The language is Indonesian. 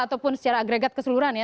ataupun secara agregat keseluruhan ya